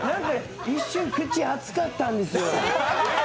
一瞬、口熱かったんですよ。